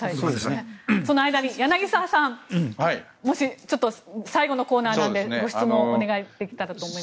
その間に柳澤さんもしちょっと最後のコーナーなのでご質問をお願いできたらと思います。